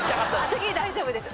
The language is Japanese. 次大丈夫です。